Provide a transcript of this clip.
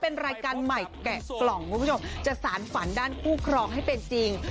เป็นรายการใหม่แกะกล่องคุณผู้ชมจะสารฝันด้านคู่ครองให้เป็นจริง